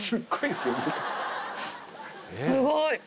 すごい。